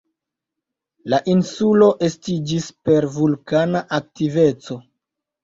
La insulo estiĝis per vulkana aktiveco.